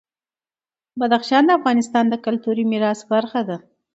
بدخشان د افغانستان د کلتوري میراث برخه ده.